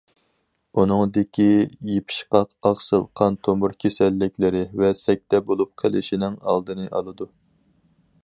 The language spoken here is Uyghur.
ئۇنىڭدىكى يېپىشقاق ئاقسىل قان تومۇر كېسەللىكلىرى ۋە سەكتە بولۇپ قېلىشنىڭ ئالدىنى ئالىدۇ.